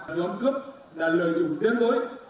nhóm cướp đã lợi dụng tiếng tối